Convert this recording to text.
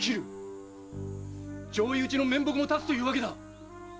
上意討ちの面目も立つというわけだ！